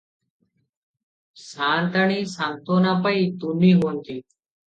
ସାଆନ୍ତାଣୀ ସାନ୍ତ୍ୱନାପାଇ ତୁନି ହୁଅନ୍ତି ।